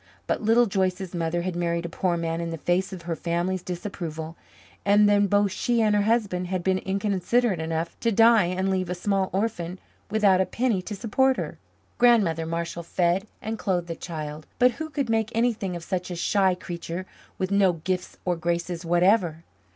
But Little Joyce's mother had married a poor man in the face of her family's disapproval, and then both she and her husband had been inconsiderate enough to die and leave a small orphan without a penny to support her. Grandmother Marshall fed and clothed the child, but who could make anything of such a shy creature with no gifts or graces whatever?